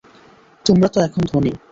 তোমরা তো এখন ধনী।